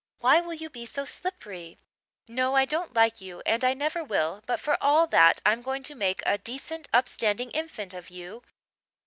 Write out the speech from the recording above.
Why will you be so slippery? No, I don't like you and I never will but for all that I'm going to make a decent, upstanding infant of you.